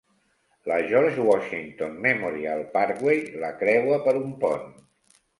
La George Washington Memorial Parkway la creua per un pont.